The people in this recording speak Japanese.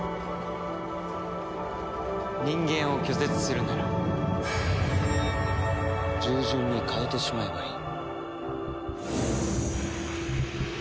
人間を拒絶するなら従順に変えてしまえばいい。